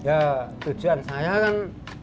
ya tujuan saya kan